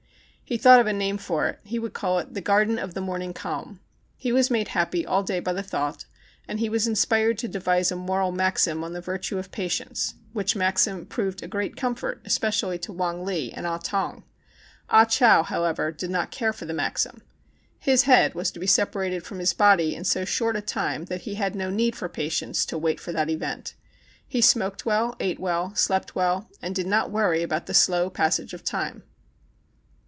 He thought of a name for it; he would call it The Garden of the Morning Calm. He was made happy all day by the thought, and he was inspired to de vise a moral maxim on the virtue of patience, which maxim proved a great comfort, especially to Wong Li and Ah Tong. Ah Chow, how ever, did not care for the maxim. His head was to be separated from his body in so short a time that he had no need for patience to wait for that event. He smoked well, ate well, slept well, and did not worry about the slow passage of time.